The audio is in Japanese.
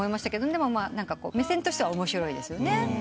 でも目線としては面白いですよね。